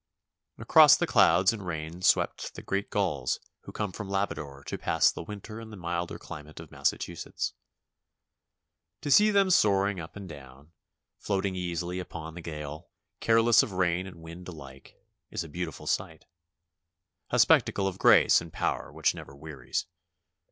Across the clouds and rain swept the great gulls who come from Labrador to pass the winter in the milder climate of Massachusetts. To see them soaring up and down, floating easily upon the gale, careless of rain and wind alike, is a beautiful sight, a spectacle of grace and power which never wearies.